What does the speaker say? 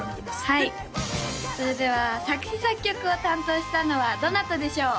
はいそれでは作詞作曲を担当したのはどなたでしょう？